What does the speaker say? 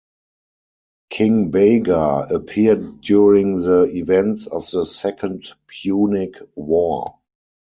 King Baga appeared during the events of the second Punic war.